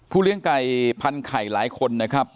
เลี้ยงไก่พันไข่หลายคนนะครับ